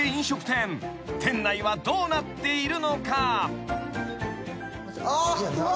店内はどうなっているのか？］